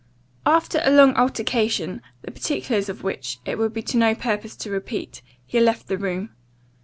"After a long altercation, the particulars of which, it would be to no purpose to repeat, he left the room.